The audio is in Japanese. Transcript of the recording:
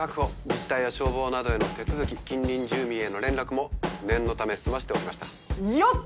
自治体や消防などへの手続き近隣住民への連絡も念のため済ませておきましたよっ！